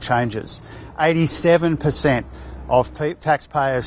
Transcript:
yang ditularkan pada pagi klights dua ribu tujuh belas